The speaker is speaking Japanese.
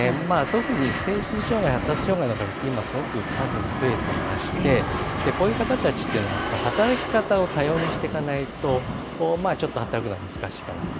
特に精神障害、発達障害の方って今、すごく数が増えていまして、こういう方たちというのは、やっぱり働き方を多様にしていかないと、ちょっと働くのは難しいかなと。